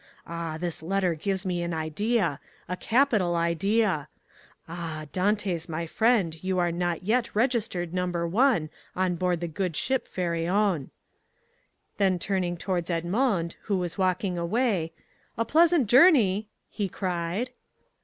Ah, this letter gives me an idea—a capital idea! Ah; Dantès, my friend, you are not yet registered number one on board the good ship Pharaon;" then turning towards Edmond, who was walking away, "A pleasant journey," he cried.